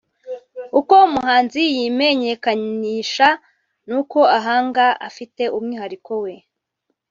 uko umuhanzi yimenyekanisha n’uko ahanga afite umwihariko we